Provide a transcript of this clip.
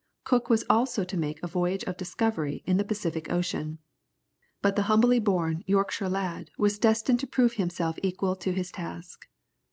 Cook was also to make a voyage of discovery in the Pacific Ocean. But the humbly born Yorkshire lad was destined to prove himself equal to his task.